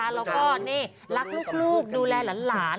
แล้วก็นี่รักลูกดูแลหลาน